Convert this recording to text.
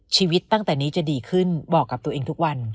ชีวิตตั้งแต่นี้จะดีขึ้นบอกกับตัวเองทุกวัน